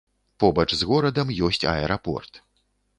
Побач з горадам ёсць аэрапорт.